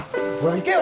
行けよ！